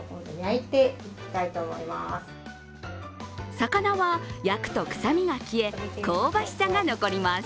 魚は焼くと臭みが消え香ばしさが残ります。